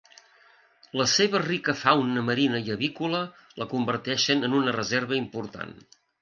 La seva rica fauna marina i avícola la converteixen en una reserva important.